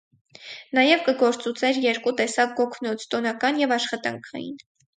Նաեւ կը գործածուէր երկու տեսակ գոգնոց՝ տօնական եւ աշխատանքային։